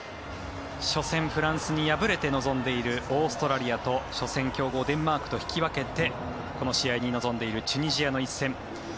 初戦、フランスに敗れて臨んでいるオーストラリアと初戦、強豪デンマークと引き分けてこの試合に臨んでいるチュニジアの一戦。